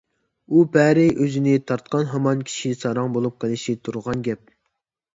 ئۇ پەرى ئۆزىنى تارتقان ھامان كىشى ساراڭ بولۇپ قېلىشى تۇرغان گەپ.